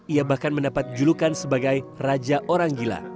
ia bahkan mendapat julukan sebagai raja orang gila